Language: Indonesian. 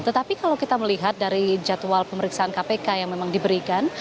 tetapi kalau kita melihat dari jadwal pemeriksaan kpk yang memang diberikan